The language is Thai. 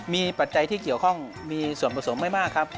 มีปัจจัยที่เกี่ยวข้องมีส่วนผสมไม่มากครับ